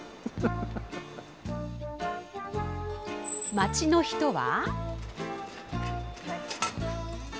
町の人は。